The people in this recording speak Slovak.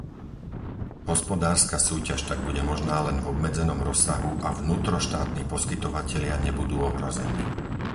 Hospodárska súťaž tak bude možná len v obmedzenom rozsahu a vnútroštátni poskytovatelia nebudú ohrození.